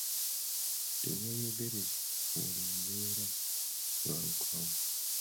Teweeyogereza ku buli mbeera ebalukawo.